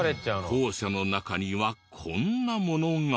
校舎の中にはこんなものが。